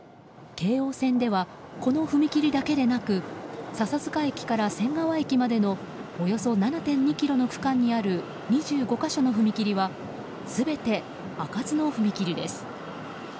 京王線ではこの踏切だけでなく笹塚駅から仙川駅までのおよそ７．２ｋｍの区間にある２５か所の踏切は全て開かずの踏切です。